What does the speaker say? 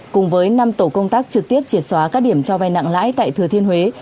cùng với năm tổ công tác trực tiếp triệt xóa các điểm cho vay nặng lãi tại thừa thiên huế